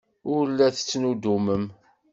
Ur la tettnuddumem.